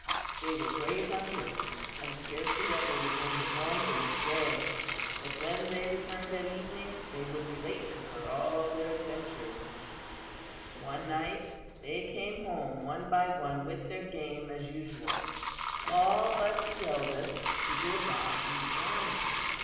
They were great hunters, and scarcely ever remained at home during the day, but when they returned at evening they would relate to her all their adventures. "One night they came home one by one with their game, as usual, all but the eldest, who did not return.